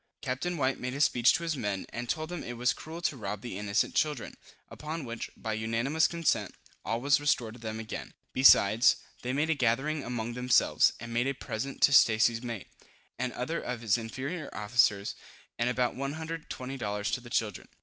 Captain White made a speech to his men, and told them it was cruel to rob the innocent children; upon which, by unanimous consent, all was restored to them again. Besides, they made a gathering among themselves, and made a present to Stacy's mate, and other of his inferior officers, and about 120 dollars to the children.